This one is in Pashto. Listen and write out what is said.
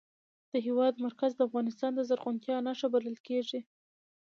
د هېواد مرکز د افغانستان د زرغونتیا نښه بلل کېږي.